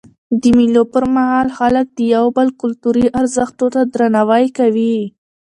د مېلو پر مهال خلک د یو بل کلتوري ارزښتو ته درناوی کوي.